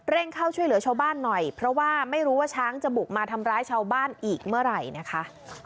เข้าช่วยเหลือชาวบ้านหน่อยเพราะว่าไม่รู้ว่าช้างจะบุกมาทำร้ายชาวบ้านอีกเมื่อไหร่นะคะ